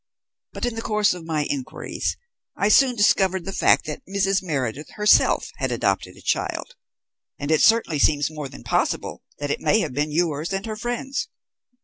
But in the course of my inquiries I soon discovered the fact that Mrs. Meredith herself had adopted a child, and it certainly seems more than possible that it may have been yours and her friend's.